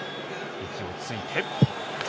息をついて。